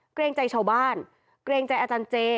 เกรงใจชาวบ้านเกรงใจอาจารย์เจ